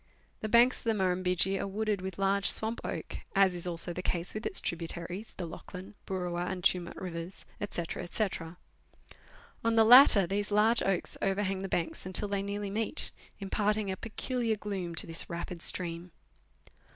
The banks of the Murrumbidgee are wooded with large swamp oak, as is also the case with its tributaries, the Lachlan, Boorowa, and Tumut rivers, &c., &c. On the latter these large oaks overhang the banks until they nearly meet, impart ing a peculiar gloom to this rapid stream.